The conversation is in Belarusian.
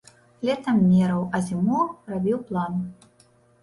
Летам мераў, а зімой рабіў план.